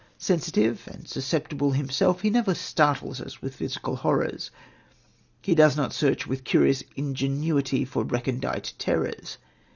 Sensitive and susceptible himself, he never startles us with physical horrors. He does not search with curious ingenuity for recondite terrors.